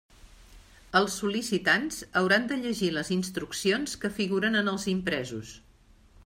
Els sol·licitants hauran de llegir les instruccions que figuren en els impresos.